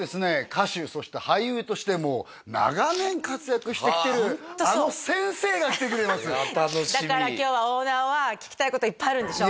歌手そして俳優としても長年活躍してきてるあの先生が来てくれますだから今日はオーナーは聞きたいこといっぱいあるんでしょ？